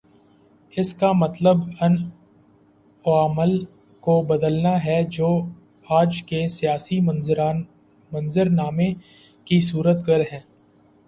اس کا مطلب ان عوامل کو بدلنا ہے جو آج کے سیاسی منظرنامے کے صورت گر ہیں۔